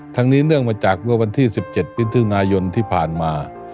นี้เนื่องมาจากเมื่อวันที่๑๗มิถุนายนที่ผ่านมา